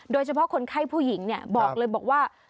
โดยเฉพาะคนไข้ผู้หญิงบอกเลยบอกว่า